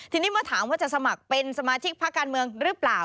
ทีนี้เมื่อถามว่าจะสมัครเป็นสมาชิกพักการเมืองหรือเปล่า